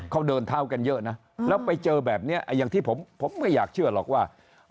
เขาเดินเท้ากันเยอะนะแล้วไปเจอแบบนี้อย่างที่ผมไม่อยากเชื่อหรอกว่า